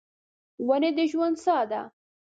ونې د ژوند ساه ده.